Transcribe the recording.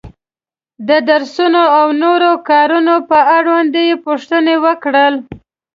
د درسونو او نورو کارونو په اړوند یې پوښتنې وکړې.